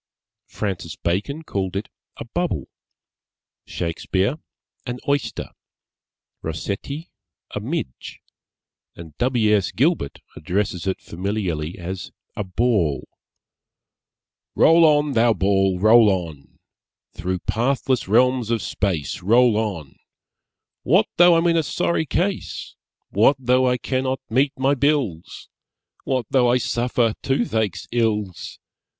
Francis Bacon called it a Bubble; Shakespeare, an Oyster; Rossetti, a Midge; and W. S. Gilbert addresses it familiarly as a Ball Roll on, thou ball, roll on! Through pathless realms of Space Roll on! What though I'm in a sorry case? What though I cannot meet my bills? _What though I suffer toothache's ills?